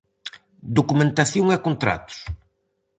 Documentación e contratos.